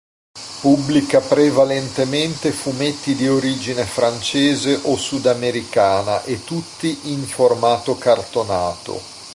Pubblica prevalentemente fumetti di origine francese o sudamericana e tutti in formato cartonato.